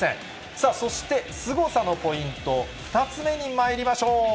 さあそしてすごさのポイント、２つ目にまいりましょう。